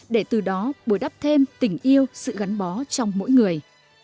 để từ đó bồi đắp thêm tình yêu sự gắn bó trong mỗi người